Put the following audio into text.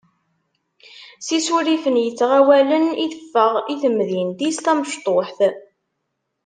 S yisurrifen yettɣawalen i teffeɣ i temdint-is tamecṭuḥt.